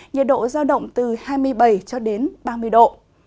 nhiệt độ giao động từ hai mươi bảy ba mươi độ